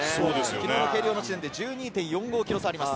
昨日の計量の時点で１２．４５ｋｇ差あります。